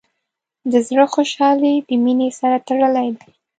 د زړۀ خوشحالي د مینې سره تړلې ده.